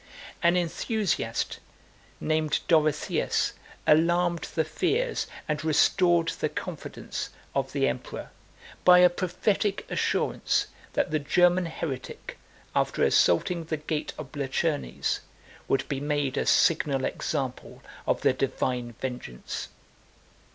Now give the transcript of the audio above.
12 An enthusiast, named Dorotheus, alarmed the fears, and restored the confidence, of the emperor, by a prophetic assurance, that the German heretic, after assaulting the gate of Blachernes, would be made a signal example of the divine vengeance.